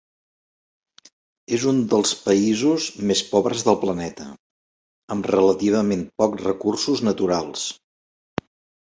És un dels països més pobres del planeta, amb relativament pocs recursos naturals.